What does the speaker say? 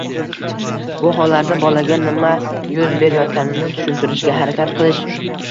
Bu hollarda bolaga nima yuz berayotganini tushuntirishga harakat qilish